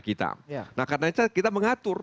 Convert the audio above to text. kita nah karena itu kita mengatur